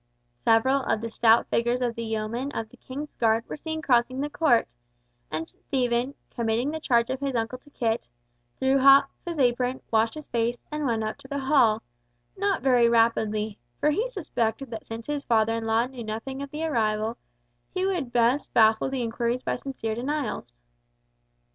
Several of the stout figures of the yeomen of the King's guard were seen crossing the court, and Stephen, committing the charge of his uncle to Kit, threw off his apron, washed his face and went up to the hall, not very rapidly, for he suspected that since his father in law knew nothing of the arrival, he would best baffle the inquiries by sincere denials.